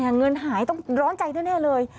เงินหายต้องร้อนใจแน่เลย